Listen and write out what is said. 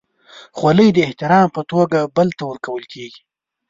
خولۍ د احترام په توګه بل ته ورکول کېږي.